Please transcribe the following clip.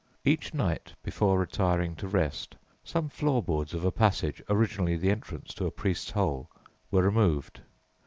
Each night before retiring to rest some floor boards of a passage, originally the entrance to a "priest's hole," were removed.